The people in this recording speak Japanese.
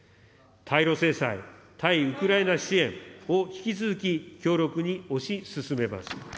対ロ制裁、対ウクライナ支援を、引き続き強力に推し進めます。